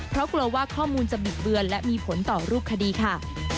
เพราะกลัวว่าข้อมูลจะบิดเบือนและมีผลต่อรูปคดีค่ะ